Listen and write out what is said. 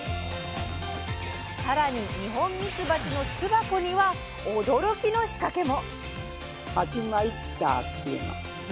更に二ホンミツバチの巣箱には驚きの仕掛けも！